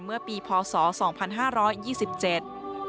เพื่อย่างเพื่อเดิมตั้งปศ๒๕๒๗